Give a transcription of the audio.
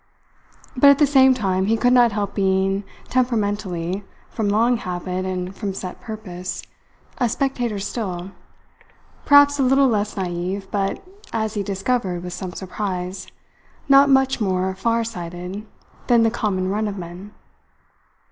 But at the same time he could not help being temperamentally, from long habit and from set purpose, a spectator still, perhaps a little less naive but (as he discovered with some surprise) not much more far sighted than the common run of men.